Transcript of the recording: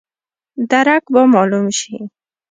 درک به مالوم شي.